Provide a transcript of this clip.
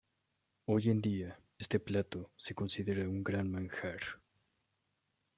Hoy en día, este plato se considera un gran manjar.